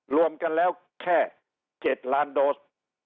รวมกันแล้วแค่๗ล้านโดส